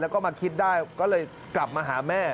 แล้วก็มาคิดได้ก็เลยกลับมาหาแม่